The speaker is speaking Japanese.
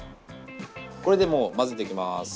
これでもう混ぜていきます。